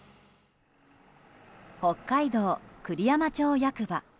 北海道栗山町役場。